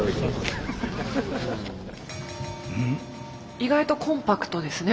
意外とコンパクトですね。